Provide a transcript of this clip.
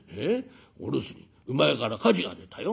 お留守に厩から火事が出たよ。